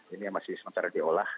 ini yang masih sementara diolah